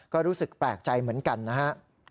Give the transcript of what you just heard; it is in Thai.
ก็รู้สึกแปลกใจเหมือนกันนะฮะ